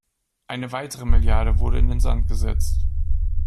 Eine weitere Milliarde wurde in den Sand gesetzt.